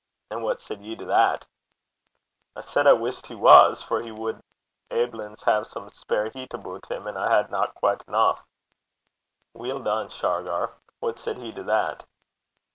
'And what said ye to that?' 'I said I wissed he was, for he wad aiblins hae some spare heat aboot him, an' I hadna freely (quite) eneuch.' 'Weel dune, Shargar! What said he to that?'